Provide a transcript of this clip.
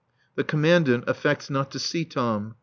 The Commandant affects not to see Tom.